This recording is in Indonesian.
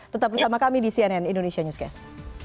tetap bersama kami di cnn indonesia newscast